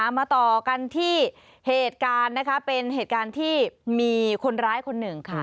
มาต่อกันที่เหตุการณ์นะคะเป็นเหตุการณ์ที่มีคนร้ายคนหนึ่งค่ะ